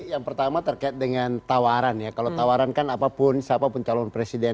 yang pertama terkait dengan tawaran ya kalau tawaran kan apapun siapapun calon presiden